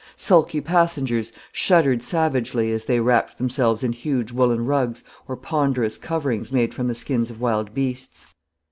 Sulky passengers shuddered savagely as they wrapped themselves in huge woollen rugs or ponderous coverings made from the skins of wild beasts.